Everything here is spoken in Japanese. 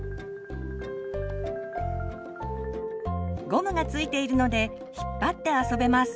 ゴムが付いているので引っ張って遊べます。